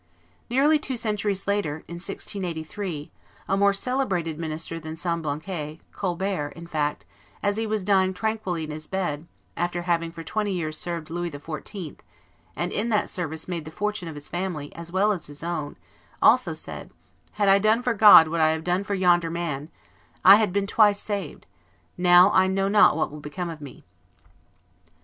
Nearly two centuries later, in 1683, a more celebrated minister than Semblancay, Colbert, in fact, as he was dying tranquilly in his bed, after having for twenty years served Louis XIV., and in that service made the fortune of his family as well as his own, said also, "Had I done for God what I have done for yonder man, I had been twice saved; and now I know not what will become of me."